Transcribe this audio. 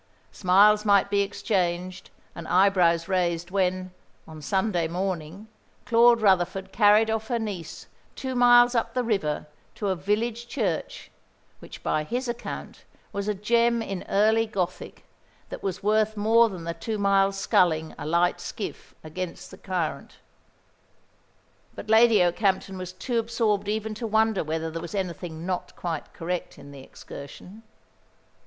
Smiles might be exchanged and eyebrows raised when, on Sunday morning, Claude Rutherford carried off her niece two miles up the river to a village church, which by his account was a gem in early Gothic that was worth more than the two miles' sculling a light skiff against the current; but Lady Okehampton was too absorbed even to wonder whether there was anything not quite correct in the excursion.